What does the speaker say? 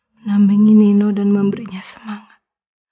menambengi nino dan memberinya semangat